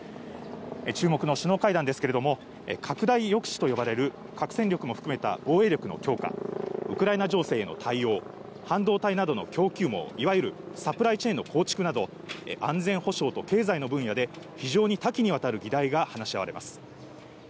注目の首脳会談ですけれど、拡大抑止と呼ばれる核戦力も含めた防衛力の強化、ウクライナ情勢への対応、半導体などの供給網、いわゆるサプライチェーンの構築など、安全保障と経済の分野で非常に多岐にわたる議題が話し合われます。